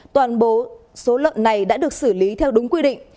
toàn bộ số lợn này đã được xử lý theo đúng quy định